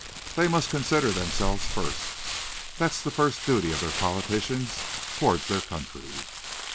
They must consider themselves first: that's the first duty of their politicians towards their country."